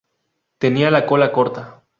Tenía la cola corta.